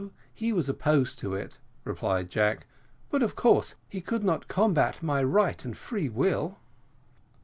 "No, he was opposed to it," replied Jack, "but of course he could not combat my rights and free will."